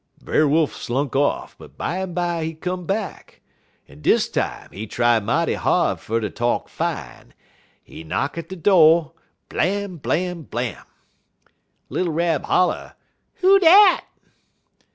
"Brer Wolf slunk off, but bimeby he come back, en dis time he try mighty hard fer ter talk fine. He knock at de do' blam, blam, blam! "Little Rab holler: 'Who dat?'